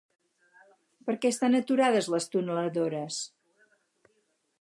Per què estan aturades les tuneladores?